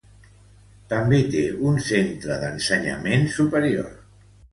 També té un centre d'ensenyament superior.